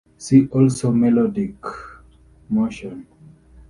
See also melodic motion.